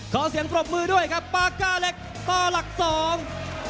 ขอเสียงปรบมือด้วยครับปากก้าเล็กต่อหลักสอง